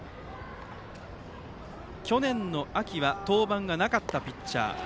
去年の秋は登板がなかったピッチャー。